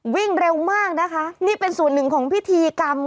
วิ่งเร็วมากนะคะนี่เป็นส่วนหนึ่งของพิธีกรรม